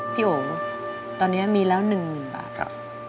พี่โอตอนเนี้ยมีแล้วหนึ่งหมื่นบาทครับ